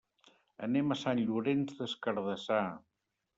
Anem a Sant Llorenç des Cardassar.